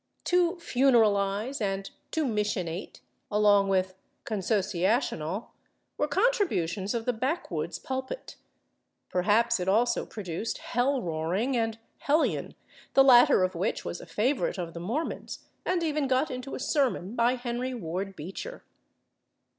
/To funeralize/ and /to missionate/, along with /consociational/, were contributions of the backwoods pulpit; perhaps it also produced /hell roaring/ and /hellion/, the latter of which was a favorite of the Mormons and even got into a sermon by Henry Ward Beecher.